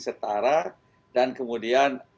setara dan kemudian